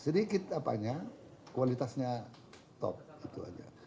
sedikit apanya kualitasnya top itu aja